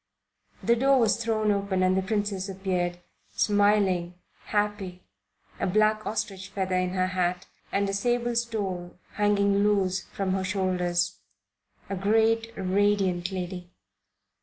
The door was thrown open and the Princess appeared, smiling, happy, a black ostrich feather in her hat and a sable stole hanging loose from her shoulders; a great and radiant lady.